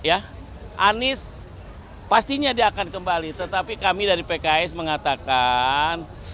anies pastinya dia akan kembali tetapi kami dari pks mengatakan